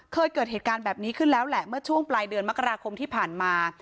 เคยเกิดเหตุการณ์แบบนี้ขึ้นแล้วแหละเมื่อช่วงปลายเดือนมกราคมที่ผ่านมา